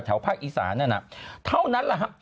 แถวภาคอีสานั่นอะเท่านั้นละฮะ